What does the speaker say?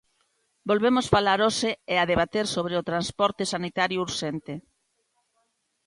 Volvemos falar hoxe e a debater sobre o transporte sanitario urxente.